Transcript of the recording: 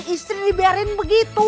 istri dibiarin begitu